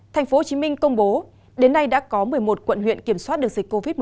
tp hcm công bố đến nay đã có một mươi một quận huyện kiểm soát được dịch covid một mươi chín